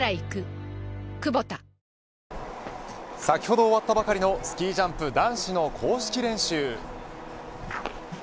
先ほど終わったばかりのスキージャンプ、男子の公式練習。